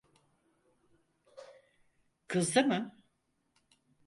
Kızdı mı?